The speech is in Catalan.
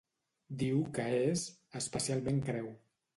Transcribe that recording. Diu que és ‘especialment greu’.